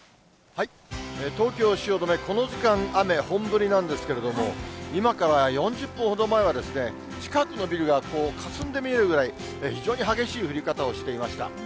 東京・汐留、この時間、雨、本降りなんですけれども、今から４０分ほど前は、近くのビルがかすんで見えるぐらい、非常に激しい降り方をしていました。